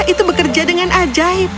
itu bekerja dengan ajaib